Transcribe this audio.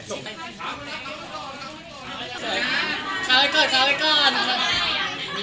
จุกมาก่อน